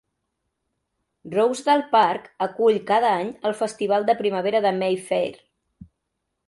Rosedale Park acull cada any el festival de primavera Mayfair.